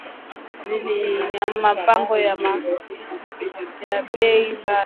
Ma mpango sasa inakuwa beyi sana